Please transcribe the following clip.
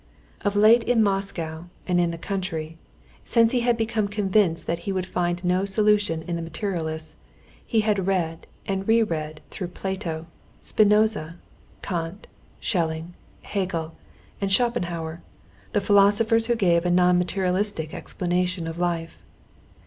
Of late in Moscow and in the country, since he had become convinced that he would find no solution in the materialists, he had read and re read thoroughly Plato, Spinoza, Kant, Schelling, Hegel, and Schopenhauer, the philosophers who gave a non materialistic explanation of life.